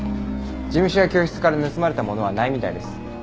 事務所や教室から盗まれたものはないみたいです。